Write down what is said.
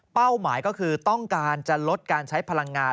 หมายก็คือต้องการจะลดการใช้พลังงาน